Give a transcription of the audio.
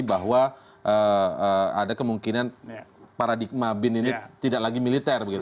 bahwa ada kemungkinan paradigma bin ini tidak lagi militer begitu